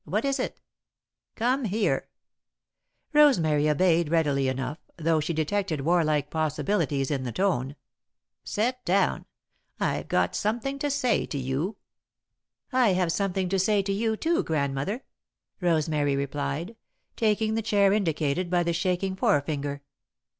What is it?" "Come here!" [Sidenote: Grandmother chides Rosemary] Rosemary obeyed readily enough, though she detected warlike possibilities in the tone. "Set down! I've got something to say to you!" "I have something to say to you, too, Grandmother," Rosemary replied, taking the chair indicated by the shaking forefinger.